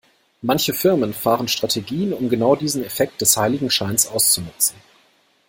Manche Firmen fahren Strategien, um genau diesen Effekt des Heiligenscheins auszunutzen.